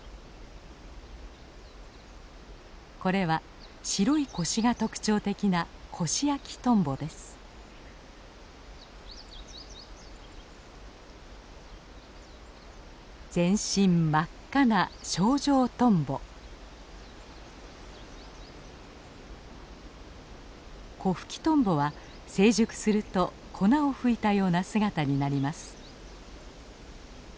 これは白い腰が特徴的な全身真っ赤なコフキトンボは成熟すると粉をふいたような姿になります。